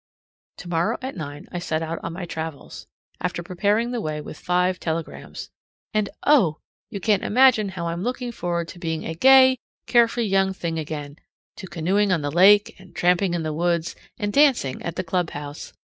Tomorrow at nine I set out on my travels, after preparing the way with five telegrams. And, oh! you can't imagine how I'm looking forward to being a gay, carefree young thing again to canoeing on the lake and tramping in the woods and dancing at the clubhouse.